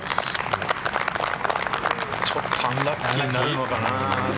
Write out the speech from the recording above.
ちょっとアンラッキーになるのかな。